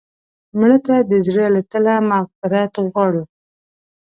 مړه ته د زړه له تله مغفرت غواړو